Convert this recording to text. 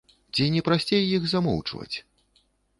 Ці не прасцей іх замоўчваць?